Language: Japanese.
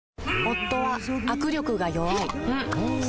夫は握力が弱い